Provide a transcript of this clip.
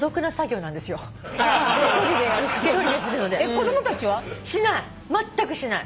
子供たちは？しない。